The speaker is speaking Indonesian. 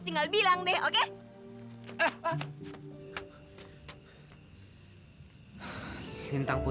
dia dia dia itu